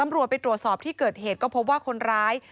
ไปตรวจสอบที่เกิดเหตุก็พบว่าคนร้าย